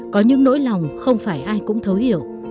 có những nỗi lòng không phải ai cũng thấu hiểu